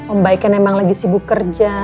om baiknya emang lagi sibuk kerja